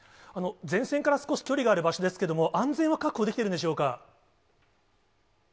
前線から少し距離がある場所ですけれども、安全は確保できているんでしょうか？